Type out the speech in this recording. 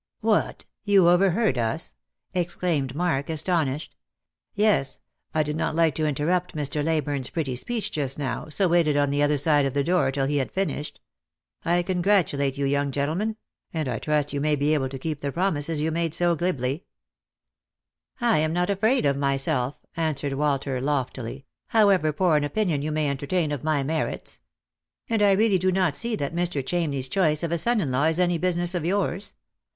"What ! you overheard us?" exclaimed Mark, astonished. " Yes ; I did not like to interrupt Mr. Leyburne's pretty speech just now, so waited on the other side of the door till he had finished. I congratulate you, young gentleman ; and I trust you may be able to keep the promises you made so ■'I am not afraid of myself," answered Walter loftily, " how ever poor an opinion you may entertain of my merits. And I really do not see that Mr. Chamney's choice of a son in law is any business of yours.